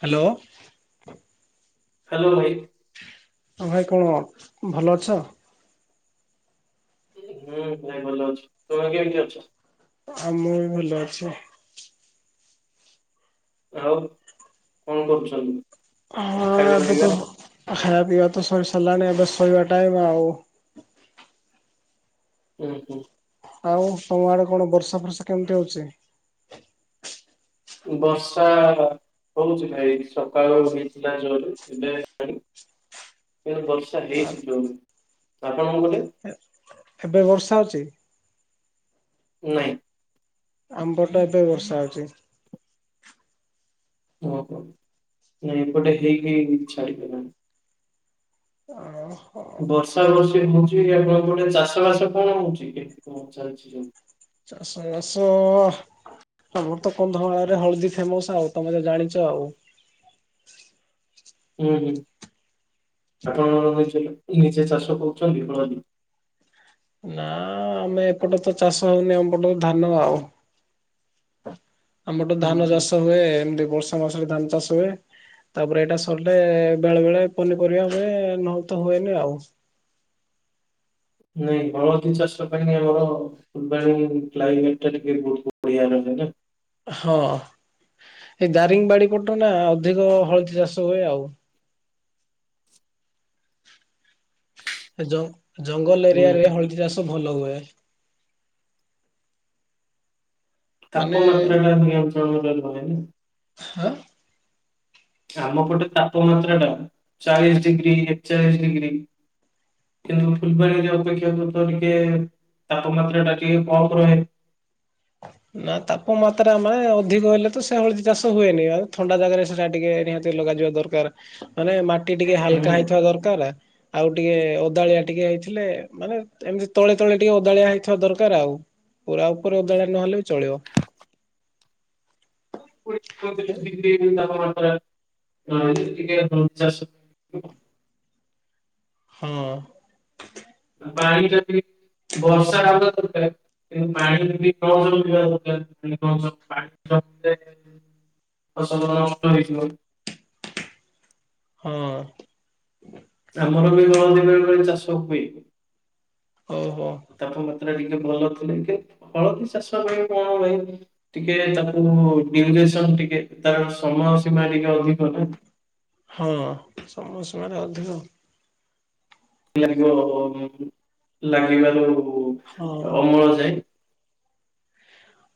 Hello? Hello ଭାଇ ଭାଇ କଣ ଭଲ ଅଛ? ହୁଁ ଭାଇ ଭଲ ଅଛ ତୁମେ ଆ କେମିତି ଅଛ? ଆଉ ମୁଁ ବି ଭଲ ଅଛି। ଆଉ କଣ କରୁଚନ୍ତି? ହଁ ଏବେତ ଆ-ଖାଇବା ପିଇବା ତ ସରିସା ସରିଲାଣି ଏବେ ଶୋଇବା ଟାଇମ୍ ଆଉ। ଉଁ ହୁଁ। କେମତି ହୋଉଚି? ବର୍ଷା ହ ହୋଉଚି ଭାଇ ସକାଳୁ ହେଇଥିଲା ଜୋରେ ଏବେ ହେଲାଣି। ଇଆଡେ ବର୍ଷା ହେଇଚି ଜୋରେ ତ ଆପଣଙ୍କ ପଟେ ଏବେ ବର୍ଷା ହୋଉଚି? ନାଇଁ। ଆମ୍ ପଟେ ଏବେ ବର୍ଷା ହୋଉଚି। ଓହୋ ନାଇଁ ଏପଟେ ହେଇକି ଛାଡ଼ିଗଲାଣି। ଆଉ ବର୍ଷା ବର୍ଷି ହୋଉଚି ଇଆଡେ କେମତି ଗୋଟେ ଚାଷ ବାସ କଣ ହୋଉଚି କେମତି କଣ ଚାଲିଚି ସେ ଚାଷବାସ ଆମର ତ କନ୍ଧମାଳରେ ହଳଦୀ ଫେମସ ଆଉ ତମେ ତ ଜାଣିଚ ଆଉ। ଉଁ ହୁଁ ଆପଣଙ୍କର ତ ଜିଲ୍ଲା ନିଜେ ଚାଷ କରୁଚନ୍ତି ହଳଦୀ? ନା ଆମେ ଏପଟେ ତ ଚାଷ ହୋଉନି ଅମ ପଟରେ ଧାନ ଆଉ। ଆମର ତ ହୁଁ ଧାନ ହୁଁ। ଚାଷ ହୁଏ ଏମତି ବର୍ଷା ମାସରେ ଧାନ ଚାଷ ହୁଏ। ତାପରେ ଏଇଟା ସରିଲେ ବେଳେ ବେଳେ ପନିପରିବା ହୁଏ ନହେଲେ ତ ହୁଏନି ଆଉ। ନାଇଁ ହଳଦୀ ଚାଷ ପାଇଁ ଆମର ଫୁଲବାଣୀ ହିଁ କ୍ଲାଇମେଟଟା ଟିକେ ବୋହୁତ ବଢିଆ ରହେ। ଆଜ୍ଞା? ହଁ। ଏଇ ଦାରିଙ୍ଗ ବାଡି ପଟରେ ନା ଅଧିକ ହଳଦୀ ଚାଷ ହୁଏ ଆଉ। ଏ ଜ-ଜଙ୍ଗଲ ହୁଁ ଏରିଆରେ ହଳଦୀ ଚାଷ ଭଲ ହୁଏ। ମାନେ ତାପମାତ୍ରାଟା ନିୟନ୍ତ୍ରଣ କରିହୁଏନି। ହାଁ? ଆମପଟେ ତାପମାତ୍ରାଟା ଚାଳିଶ ଡିଗ୍ରୀ ଏକଚାଳିଶ ଡିଗ୍ରୀ କିନ୍ତୁ ଫୁଲବାଣୀରେ ଅପେକ୍ଷାକୃତ ଟିକେ ତାପମାତ୍ରାଟା ଟିକେ କମ୍ ରହେ। ହା ନା ତାପମାତ୍ରା ମାନେ ଅଧିକ ହେଲେ ତ ସେ ହଳଦି ଚାଷ ହୁଏନି ଆଉ ଥଣ୍ଡା ଜାଗାରେ ସେଟା ଟିକେ ନିହାତି ଲଗା ଲଗାଜିବା ଦରକାର ମାନେ ମାଟି ଟିକେ ହୁଁ ହାଲକା ହେଇଥିବା ଦରକାର ଆଉ ଟିକେ ଓଦାଳିଆ ଟିକେ ହେଇଥିଲେ ମାନେ ଏମିତି ତଳେ ତଳେ ଟିକେ ଓଦାଳିଆ ହେଇଥିବା ଦରକାର ଆଉ। ପୁରା ଉପରେ ଓଦାଳିଆ ନହେଲେ ବି ଚଳିବ। ପୁଣି [inaudible] ଦେଇଦେବି ନା କଣ [unintelligible] ହଁ। ବାର [unintelligible] ବର୍ଷା ରାଗ ପାଣି କ [unintelligible] ଫସଲ ନଷ୍ଟ ହେଇିବ [unintelligible] ହଁ। ଆମର ବି ହଳଦୀ ବେଳେ ବେଳେ ଚାଷ ହୁଏ। ଓହୋ। ତାପମାତ୍ରା ଟିକେ ଭଲ ଥିଲେ ହଳଦୀ ଚାଷ ପାଇଁ କଣ ଭାଇ ଟିକେ ତାକୁ ଟିକେ ତାର ସମୟ ସୀମା ଟିକେ ଅଧିକ ନା? ହଁ ସମୟ ସୀମା ରେ ଅଧିକା। ଲ ଲାଗିଲାରୁ ହଁ ଅମଳ ଯାଏ।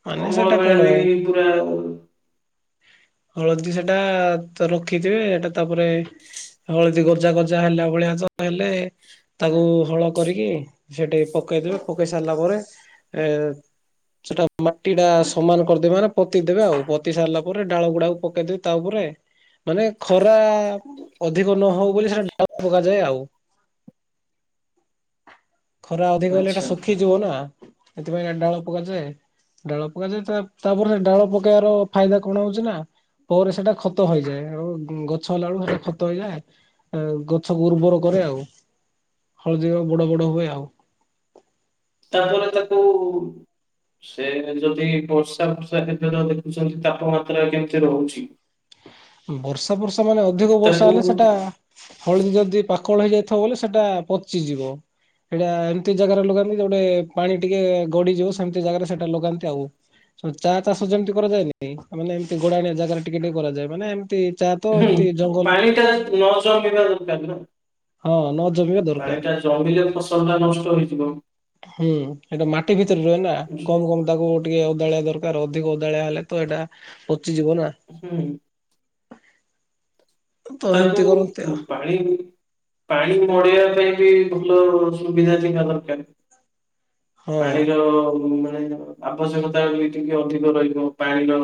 ମାନେ ଅମଳ ସେଟା ବେଳେ କଣ ବି ପୁରା ହଳଦୀ ସେଟା ରଖିଥିବେ ହେଟା ତାପରେ ହଳଦୀ ଗ- ଗଜା ଗଜା ହେଲା ଭଳିଆ ତ ହେଲେ ତାକୁ ହଳ କରିକି ସେଠି ପକେଇଦେବେ ପକେଇ ସାରିଲା ପରେ ଏ ସେଟା ମାଟି ଟା ସମାନ କରିଦେବେ ମାନେ ପୋତିଦବେ ଆଉ ପୋତି ସାରିଲା ପରେ ଡାଳ ଗୁଡାକୁ ପକେଇଦବ ତା ଉପରେ ମାନେ ଖରା ଅଧିକ ନ ହଉ ବୋଲି ସେଟା ଡାଳ ପକାଯାଏ ଆଉ। ଖରା ଅଧିକ ହେଲେ ଏଟା ଆଚ୍ଛା ଶୁଖିଯିବ ନା। ସେଥିପାଇଁ ଡାଳ ପକାଯାଏ ଡାଳ ପକାଯାଏ ତାପରେ ଡାଳ ପକେଇବାର ଫାଇଦା କଣ ହଉଛି ନା ପରେ ସେଟା ଖତ ହେଇଯାଏ ଗଛ ହେଲା ବେଳକୁ ହେଟା ଖତ ହେଇଯାଏ। ଗଛକୁ ଉର୍ବର କରେ ଆଉ। ହଳଦୀଗା ବଡ ବଡ ହୁଏ ଆଉ। ତାପରେ ତାକୁ ସେ ଯଦି ବର୍ଷା ଫର୍ଷା ସେଦିନ ଦେଖୁଛନ୍ତି ତାପମାତ୍ରା କେମିତି ରହୁଚି। ବର୍ଷା ଫର୍ଷା ମାନେ ଅଧିକ ବର୍ଷା ହେଲେ ସେଟା ହଳଦୀ ଯଦି ପା କଳ ହେଇ ଯାଇଥିବ ବଲେ ସେଟା ପଚିଯିବ। ଏଇଟା ଏମିତି ଜାଗାରେ ଲଗାନ୍ତି ଯୋଉଟେ ପାଣି ଟିକେ ଗଡିଯିବ ସେମିତି ଜାଗାରେ ସେଟା ଲଗାନ୍ତି ଆଉ। ଚା ଚାଷ ଯେମିତି କରାଯାଏନିକି ମାନେ ଏମିତି ଗୋଡାଣିଆ ଜାଗାରେ ଟିକେ ଟିକେ କରାଯାଏ। ମାନେ ଏମିତି ଚା ତ ହୁଁ ଏମିତି ଜଙ୍ଗଲ ପାଣି ଟା ନ ଜମିବା ଦରକାର ନା। ହଁ ନ ଜମିବା ଦରକାର ପାଣି ଟା ଜମିଲେ ଫସଲ ଟା ନଷ୍ଟ ହେଇଯିବ। ହୁଁ ସେଇଟା ମାଟି ଭିତରେ ରୁହେ ନା କମ କମ ତାକୁ ଟିକେ ଓଦାଳିଆ ଦରକାର ଅଧିକ ଦାଳିଆ ହେଲେ ତ ଏଟା ପଚିଯିବ ନା। ହୁଁ ତ ତାର ଏମିତି କରନ୍ତି ଜଉ ଆଉ ପାଣି ପାଣି ପଡିବା ପାଇଁ ବି ଭଲ ସୁବିଧା ଥିବା ଦରକାର। ହଁ। ପାଣିର ଆବଶ୍ୟକତା ବି ଟିକେ ଅଧିକ ରହିବ ପାଣିର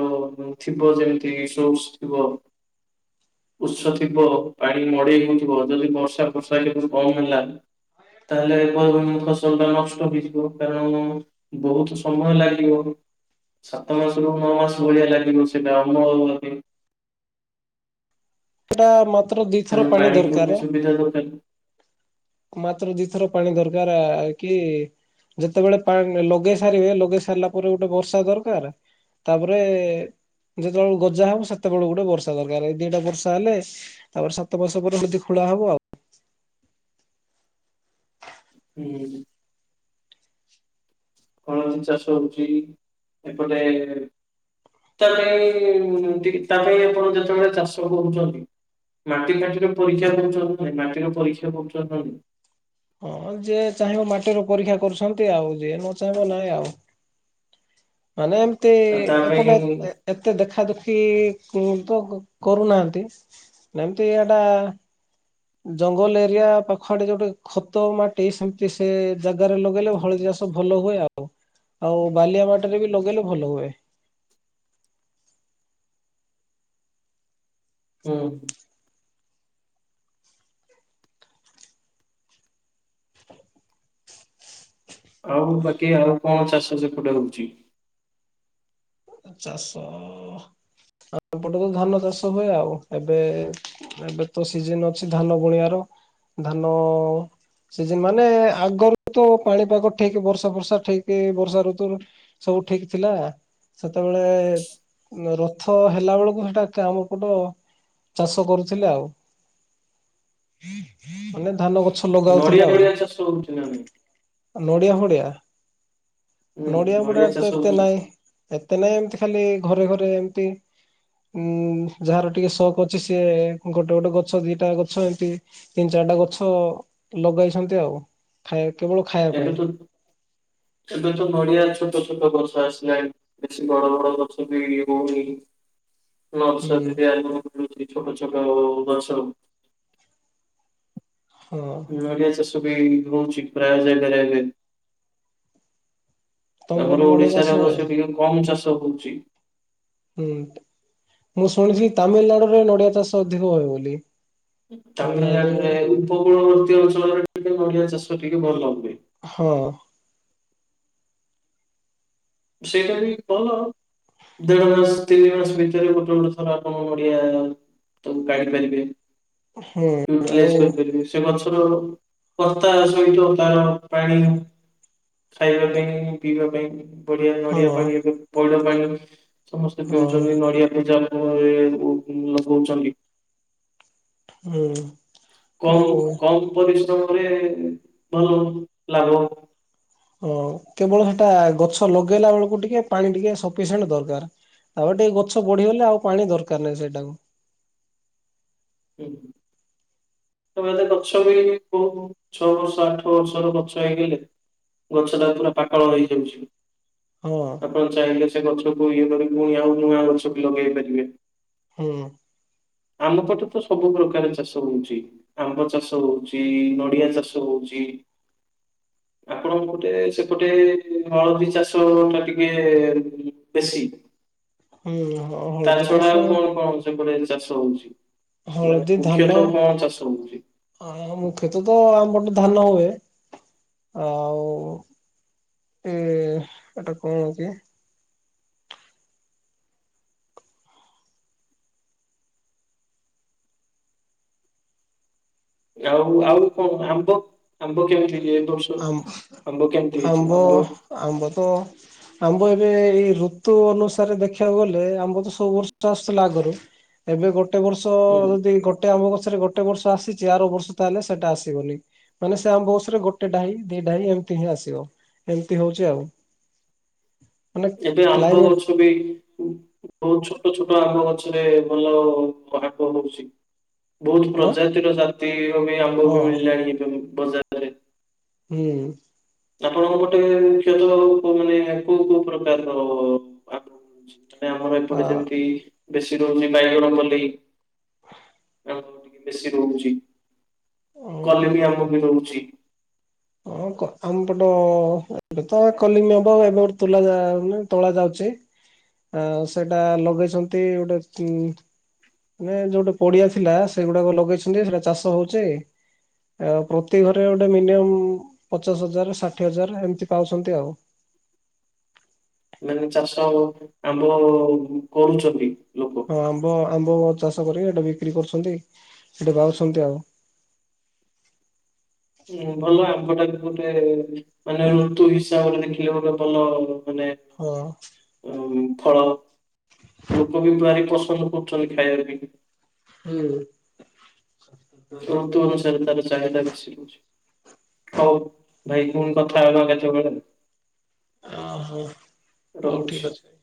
ଥିବ ଯେମିତି ସୋ ସ କୁହ? ଉତ୍ସ ଥିବ ପାଣି ମଡେଇ ହଉଥିବ ଯଦି ବର୍ଷା ଫର୍ଷା ଏବେରୁ କମ ହେଲା। ତାହେଲେ ଫସଲ ଟା ନଷ୍ଟ ହେଇଯିବ କାରଣ ବହୁତ ସମୟ ଲାଗିବ। ସାତ ମାସରୁୁ ନଅ ମାସ ଭଳିଆ ଲାଗିବ ସେଇଟା ଅମଳ ହୁଏ। ସେଟା ମାତ୍ର ଦିଥର ତେଣୁ ପାଣି ପାଣିକୁ ବି ଦରକାର ସୁବିଧା ଦରକାର। ମାତ୍ର ଦିଥର ପାଣି ଦରକାର ଆ କି? ଯେତେବେଳେ ପାଣି ଲଗେଇ ସାରିବେ ଲଗେଇ ସାରିଲା ପରେ ଗୋଟେ ବର୍ଷା ଦରକାର। ତାପରେ ଯେତେବେଳେ ଗଜା ହବ ସେତେବେଳଳେ ଗୋଟେ ବର୍ଷା ଦରକାର ଏଇ ଦିଟା ବର୍ଷା ହେଲେ ତାପରେ ସାତ ବର୍ଷ ପରେ ଯଦି ଖୋଳା ଯାହା ହବ ଆଉ। ହୁଁ କଣ ଚାଷ ହଉଛି ଏପଟେ ତା ପାଇଁ ତା ପାଇଁ ଆପଣ ଯେତେବେଳେ ଚାଷ କରୁଛନ୍ତି ମାଟି ମାଟିରେ ପରୀକ୍ଷା କରହୁଛନ୍ତି ନା ମାଟିର ପରୀକ୍ଷା କରହୁଛନ୍ତି ହଁ ଯିଏ ଚାହିଁବ ମାଟିରୁ ପରୀକ୍ଷା କରୁଛନ୍ତି ଆଉ ଯିଏ ନ ଚାହିଁବ ନାଇଁ ଆଉ ମାନେ ଏମିତି ଆଉ ତା ପାଇଁ ଏପଟେ ଏତେ ଦେଖା ଦୁଖି ତ କରୁନାହାନ୍ତି ଏମିତି ଏଇଟା ଜଙ୍ଗଲ ଏରିଆ ପାଖଆଡେ ଯୋଉଟେ ଖତ ମାଟି ସେମିତି ସେ ଜାଗାରେ ଲଗେଇଲେ ଭଳ ଯ ସବୁ ଭଲ ହୁଏ ଆଉ ଆଉ ବାଲିଆ ମାଟରେ ବି ଲଗେଇଲେ ଭଲ ହୁଏ [inaudible] ହୁଁ ଆଉ ବାକି ଆଉ କଣ ଚାଷ ସେପଟେ ହଉଛି? ଚାଷ ଆ ଏପଟେ ତ ଧାନ ଚାଷ ହୁଏ ଆଉ ଏବେ ଏବେ ତ ସିଜନି ଅଛି ଧାନ ବୁଣିବାର ଧାନ ଅ ସେ ମାନେ ଆଗରୁ ତ ପାଣିପାଗ ଠିକ ବର୍ଷା ବର୍ଷା ଠିକ ବର୍ଷା ଋତୁ ସବୁ ସବୁ ଠିକ ଥିଲା ସେତେବେଳେ ରଥ ହେଲା ବେଳକୁ ସେଟା କାମପଟ ଚାଷ କରୁଥିଲେ ଆଉ ମାନେ ଧାନ ଗ ଗଛ ନଡିଆ ଲଗାଉଥିଲେ ଆଉ ଫଡିଆ ଚାଷ ହଉଛି ନା ନାଇଁ ନଡିଆ ଫଡିଆ ହୁଁ ନଡିଆ ପଡିଆରେ ତ ଚାଷ ଏତେ ହଉଛି ନାଇଁ ଏତେ ନାଇଁ ଏମତି ଖାଲି ଘରେ ଘରେ ଏମତି ଉଁ ଯାହାର ଟିକେ ସକ୍ ଅଛି ସିଏ ଗୋଟେ ଗୋଟେ ଗଛ ଦିଟା ଗଛ ଏମତି ତିନି ଚାରି ସେଟା ଗଛ ଲଗେଇଛନ୍ତି ଆଉ ଖାଇ ଏବେ ଠୁ ତୋ ତ ଏ ତ ନଡ଼ିିଆଛଟ ଛୋଟ ଗଛ ଆସିଲାଣି ବେଶୀ ବଡ ବଡ ଗଛ ବି ଇଏ ହଉନି ଛ ହୁଁ। [unintelligible] ଛୋଟ ଛୋଟ ଓ ମାଛ ହଁ ନଡ଼ିଆ ଚାଷ ବି ହୋଉଛି ପ୍ରାୟଜାଗାରେ ବି ତମ ପଟେ ଆମର ନଡିଆ ଚାଷ ଓଡିଶାରେ ହୁଏ? ଅବଶ୍ୟ ଟିକେ କମ ଚାଷ ହଉଛି ହୁଁ ମୁଁ ଶୁଣିଛି ତାମିଲନାଡୁରେ ନଡିଆ ଚାଷ ଅଧିକ ହୁଏ ବୋଲି ତାମିଲନାଡୁ ତାମିଲନାଡୁରେ ଉପକୂଳବର୍ତ୍ତୀ ଅଞ୍ଚଳରେ ଟିକେ ନଡ଼ିଆ ଚାଷ ଟିକେ ଭଲ ହୁଏ। ହଁ ସେଇଟା ବି କହୁହଣ ଦେଢ ମାସ ତିନି ମାସ ଭିତରେ ଗୋଟେ ଗୋଟେ ଥର ଆପଣ ନଡିଆ ତ ପାଡି ପାରିବେ ହୁଁ ଆଉ [unintelligible] ପାରିବ ସେଛ ରୋଲ ପତା ସହିତ ତାର ପାଣି ଖାଇବା ପାଇଁ ପିଇବା ପାଇଁ ପଢିଆ ହଁ ନଡିଆ ପାଣି ଏବେ ପଇଡ ପାଣି ସମସ୍ତେ ହଁ ପିଉଛନ୍ତି ନଡିଆ ପୂଜା କହୁଛନ୍ତି ହୁଁ ଆଉ କମ କମ ପରିଶ୍ରମରେ ଭଲ ଲାଗ ହଁ କେବଳ ହେଟା ଗଛ ଲଗେଇଲା ବେଳକୁ ଟିକେ ପାଣି ଟିକେ ସଫିସିଏଣ୍ଟ ଦରକାର ଆଉ ଟିକେ ଗଛ ବଢିଗଲେ ଆଉ ପାଣି ଦରକାର ନାହିଁ ସେଇଟାକୁ ହୁଁ ତ ଏବେ ତ ଗଛରୁ ବି କୋଉ ଛଅ ବର୍ଷ ଆଠ ବର୍ଷର ଗଛ ହେଇଗଲେ ଗଛଟା ପୁରା ପାକଳ ହେଇଯାଉଛି ହଁ ଆପଣ ଚାହିଁଲେ ସେ ଗଛକୁ ଇଏ କରିକି ପୁଣି ଆଉ ନୂଆ ଗଛ ବି ଲଗେଇ ପାରିବେ ହୁଁ ଆମ ପଟେ ତ ସବୁ ପ୍ରକାର ଚାଷ ହଉଛି ଆମ୍ବ ଚାଷ ହଉଛି ନଡିଆ ଚାଷ ହଉଛି [inaudible] ଆପଣ ଗୋଟେ ସେପଟେ ହଳଦୀ ଚାଷ ଟା ଟିକେ ବେଶୀ ହୁଁ ତା ହଳଦୀ ଟା ଛଡା ସ ଆଉ କଣ କଣ ସେପଟେ ଚାଷ ହୋଉଛି। ହଳଦୀ ଧାନ ହଉଛି? ଆ ମୁଖ୍ୟତଃ ତ ଆମପଟେ ଧାନ ହୁଏ। ଆଉ ଏଁ ଏଟା କଣ କି? ଆଉ ଆଉ କଣ ଆମ୍ବ ଆମ୍ବ କେମିତି କିଏ। ଆମ୍ ଆମ୍ବ ଆମ୍ବ ତ ଆମ୍ବ ଏବେ ଏବେ ଏଇ ଋତୁ ଅନୁସାରେ ଦେଖିବାକୁ ଗଲେ ଆମ୍ବ ତ ସବୁ ବର୍ଷ ଆସୁଥିଲା ଆଗରୁ ଏବେ ଗୋ ଗୋଟେ ବର୍ଷ ହୁଁ। ଯଦି ଗୋଟେ ଆମ୍ବ ଗ ଛରେ ଗୋଟେ ବର୍ଷ ଆସିଚି ଆର ବର୍ଷ ତାହେଲେ ସେଟା ଆସିବନି ମାନେ ସେ ଆମ୍ବ ବର୍ଷରେ ଗୋ ଗୋଟେ ଡାହି ଦି ଡାହି ଏମିତି ହିଁ ଆସିବ ଏମିତି ହୋଉଛି ଆଉ। ମାନେ ଏବେ ଆମ୍ବ କ୍ଲାଇମେଟ ଗଛ ବି ବୋହୁତ ଛୋଟ ଛୋଟ ଆମ୍ବ ଗଛରେ ଭଲ କ ଆମ୍ବ ହୋଉଛି। ବୋହୁତ ହଁ ପ୍ରଜାତିର ଜାତିର ବି ଆମ୍ବ ହଁ ବି ମିଳିଲାଣି ଏବେ ବି ବଜାରରେ। ହୁଁ। ଆପଣଙ୍କ ପଟେ ମୁଖ୍ୟତଃ କୋଉ ମାନେ କୋଉ କୋଉ ପ୍ରକାରର ଆମ୍ବ ମିଳୁଛି? ମାନେ ଆମର ଏପଟେ ଆ ଯେମିତି ବେଶି ରୋହୁଛି ବାଇଗଣପଲେଇ। ହଁ ଟିକେ ବେଶି ରୋହୁଛି ଓହୋ କଲିମ୍ୱି ଆମ୍ବ ବି ରୋହୁଛି। ହଁ କ ଆମପଟ ଏବେ ତ କଲିମି ଆମ୍ବ ଏବେ ଗୋଟେ ତୋଲା ଯାଉନି ତୋଳା ଯାଉଛି। ଛି ଆଉ ସେଟା ଲଗେଇଛନ୍ତି ଗୋଟେ ଉଁ ମାନେ ଯୋଉଟା ପଡିଆ ଥିଲା ସେଗୁଡାକ ଲଗେଇଛନ୍ତି ସେଟା ଚାଷ ହୋଉଛି ଏ ଆଉ ପ୍ରତି ଘରେ ଗୋଟେ ମିନିୟମ୍ ପଚାଶ ହଜାର ଷାଠିଏ ହଜାର ଏମିତି ପାଉଛନ୍ତି ଆଉ। ମାନେ ଚାଷ ଆଉ ଆମ୍ବ ଆଉ କରୁଛନ୍ତି? ଲୋକ। ହଁ ଆମ୍ବ ଆମ୍ବ ବ ଚାଷ କରିକି ହେଟା ବିକ୍ରି କରୁଛନ୍ତି ସେଟା ବାହାରୁଛନ୍ତି ଆଉ। ହୁଁ ଭଲ ଆମ୍ବଟା କିନ୍ତୁ ଗୋଟେ ମାନେ ଋତୁ ହିସାବରେ ଦେଖିଲେ ଗୋଟେ ଭଲ ମାନେ ହଁ। ଉଁ, ଫଳ ଲୋକୋ ବି ପ୍ରାଏ ପସନ୍ଦ କରୁଛନ୍ତି ଖାଇବା ପେଇଁ କି। ହୁଁ। ଋତୁ ଅନୁସାରେ ତାର ଚାହିଦା ବେଶି ହୋଉଛି। ହୋଉ ଭାଇ ପୁଣି କଥା ହେବା କାଲି ସକାଳେ। ହଁ ହଁ ହୋଉ ଠିକ୍ ଅଛି।